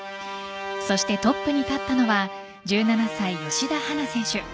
そしてトップに立ったのは１７歳、吉田陽菜選手。